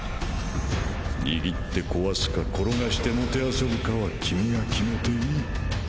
握って壊すか転がして弄ぶかは君が決めていい。